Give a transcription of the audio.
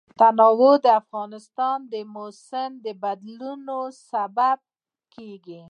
تنوع د افغانستان د موسم د بدلون سبب کېږي.